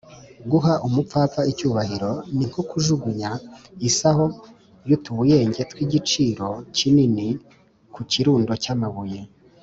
guha umupfapfa icyubahiro, ni nko kujugunya isaho y’utubuyenge tw’igiciro kinini ku kirundo cy’amabuye